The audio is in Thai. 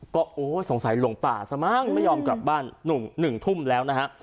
ก็โอ้ยสงสัยหลงป่าซะมั้งไม่ยอมกลับบ้าน๑ทุ่มแล้วนะฮะ